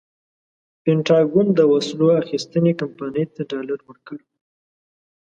پنټاګون د وسلو اخیستنې کمپنۍ ته ډالر ورکړي.